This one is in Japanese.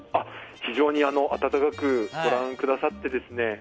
非常に温かくご覧くださって。